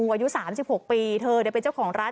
อายุ๓๖ปีเธอเป็นเจ้าของร้าน